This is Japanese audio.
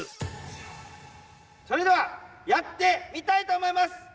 それではやってみたいと思います！